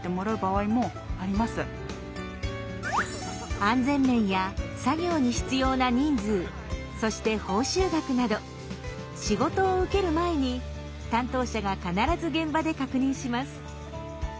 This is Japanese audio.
安全面や作業に必要な人数そして報酬額など仕事を受ける前に担当者が必ず現場で確認します。